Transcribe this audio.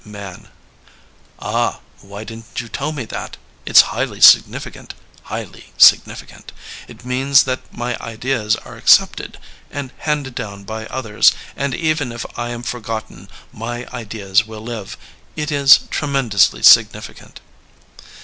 Man. Ah, why didn't you tell me that? It's highly significant, highly significant. It means that my ideas are accepted and handed down by others, and even if I am forgotten my ideas will live. It is tremendously significant.